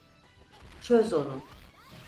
Çöz onu.